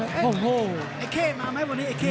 เอ๊ะเคมาไหมวันนี้มั้ยเดิม